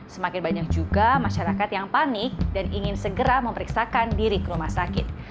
semakin banyak juga masyarakat yang panik dan ingin segera memeriksakan diri ke rumah sakit